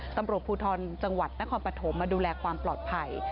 ตำรวจภูทรจังหวัดนครปฐมมาดูแลความปลอดภัย